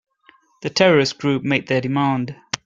The terrorist group made their demand.